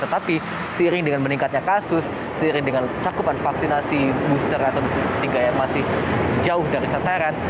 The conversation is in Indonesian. tetapi seiring dengan meningkatnya kasus seiring dengan cakupan vaksinasi booster atau dosis ketiga yang masih jauh dari sasaran